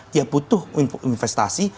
dia butuh investasi